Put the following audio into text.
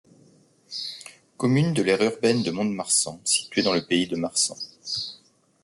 Commune de l'aire urbaine de Mont-de-Marsan située dans le pays de Marsan.